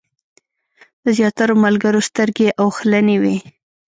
د زیاترو ملګرو سترګې اوښلنې وې.